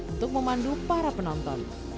untuk memandu para penonton